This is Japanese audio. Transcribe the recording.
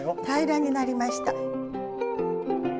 平らになりました。